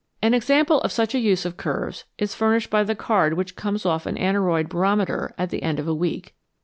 An example of such a use of curves is furnished by the card which comes off an aneroid barometer at the end of a week.